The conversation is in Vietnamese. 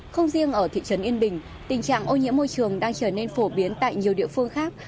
không riêng ở thị trấn yên bình tình trạng ô nhiễm môi trường đang trở nên phổ biến tại nhiều địa phương khác